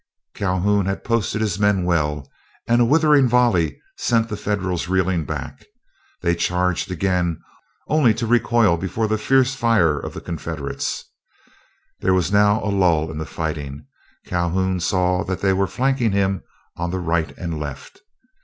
Calhoun had posted his men well, and a withering volley sent the Federals reeling back. They charged again, only to recoil before the fierce fire of the Confederates. There was now a lull in the fighting. Calhoun saw that they were flanking him on the right and left.